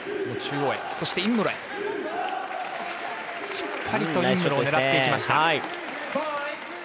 しっかりと、尹夢ろを狙っていきました。